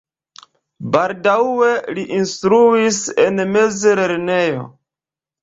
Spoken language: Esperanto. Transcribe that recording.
Baldaŭe li instruis en mezlernejo.